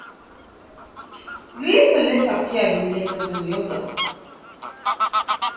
The letter later appeared in "Letters on Yoga".